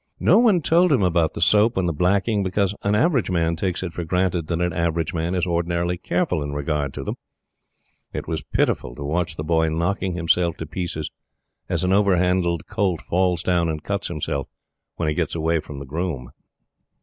No one told him about the soap and the blacking because an average man takes it for granted that an average man is ordinarily careful in regard to them. It was pitiful to watch The Boy knocking himself to pieces, as an over handled colt falls down and cuts himself when he gets away from the groom.